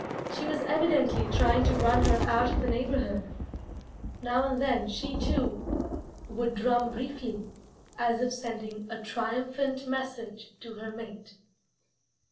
She was evidently trying to run her out of the neighborhood. Now and then, she, too, would drum briefly, as if sending a triumphant message to her mate.